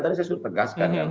tadi saya sudah tegaskan kan